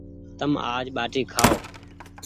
تم آج ٻآٽي کآيو ۔